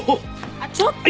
あっちょっと！